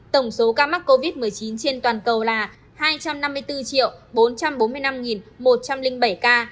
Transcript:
tổng số ca mắc covid một mươi chín trên toàn cầu là hai trăm năm mươi bốn bốn trăm bốn mươi năm một trăm linh bảy ca